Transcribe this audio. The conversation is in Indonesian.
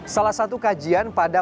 salah satu kajian pada